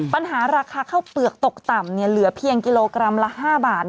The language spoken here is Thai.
ปัญหาราคาข้าวเปลือกตกต่ำเหลือเพียงกิโลกรัมละ๕บาท